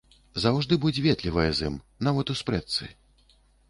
Заўжды будзь ветлівая з ім, нават і ў спрэчцы.